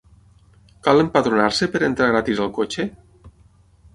Cal empadronar-se per entrar gratis al cotxe?